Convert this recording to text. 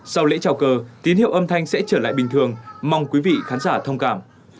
sau lễ trào cờ tín hiệu âm thanh sẽ trở lại bình thường mong quý vị khán giả thông cảm